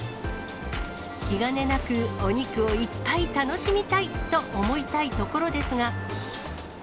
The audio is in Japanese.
気兼ねなくお肉をいっぱい楽しみたいと思いたいところですが。